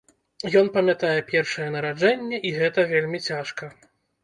Ён памятае першае нараджэнне, і гэта вельмі цяжка.